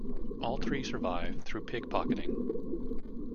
All three survive through pickpocketing.